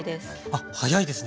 あ早いですね。